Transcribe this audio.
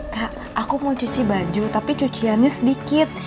kak aku mau cuci baju tapi cuciannya sedikit